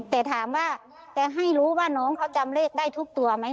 แต่ถามว่าจะให้รู้ว่าน้องเขาจำเลขได้ทุกตัวไหม